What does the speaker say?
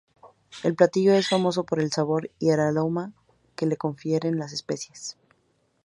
El platillo es famoso por el sabor y aroma que le confieren las especies.